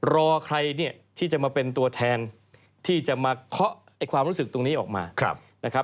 รอใครเนี่ยที่จะมาเป็นตัวแทนที่จะมาเคาะความรู้สึกตรงนี้ออกมานะครับ